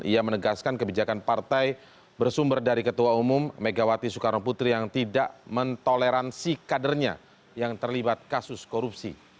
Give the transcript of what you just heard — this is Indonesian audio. ia menegaskan kebijakan partai bersumber dari ketua umum megawati soekarno putri yang tidak mentoleransi kadernya yang terlibat kasus korupsi